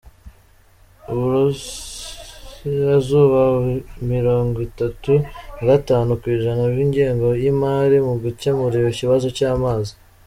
Iburasirazuba mirongwitatu nagatanu kwijana by’ingengo y’imari mu gukemura ikibazo cy’amazi